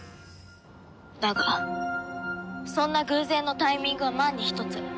だがそんな偶然のタイミングは万に一つ。